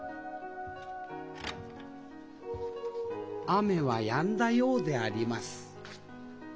雨はやんだようであります